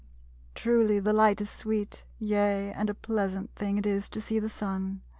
_Truly, the light is sweet Yea, and a pleasant thing It is to see the Sun.